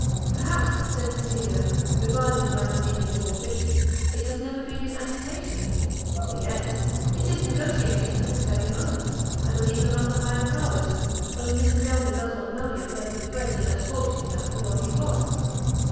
"Perhaps," said Cecilia, reviving by believing it all fiction, "it has never been in agitation?" "O yes; it is negociating at this very moment, I believe, among the higher powers; only Mr Delvile does not yet know whether Euphrasia has fortune enough for what he wants."